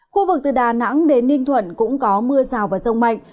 khu vực từ đà nẵng đến ninh thuận cũng có mưa rào và rông mạnh